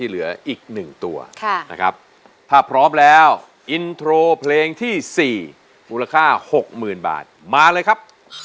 แล้วอินโทรเพลงที่๔มูลค่า๖๐๐๐๐บาทมาเลยครับ